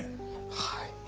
はい。